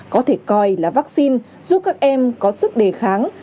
có thể coi là vaccine giúp các em có sức đề kháng